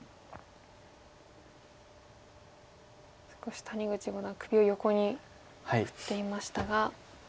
少し谷口五段首を横に振っていましたが。